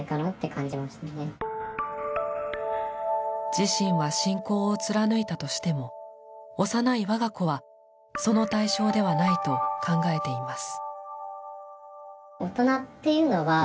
自身は信仰を貫いたとしても幼い我が子はその対象ではないと考えています。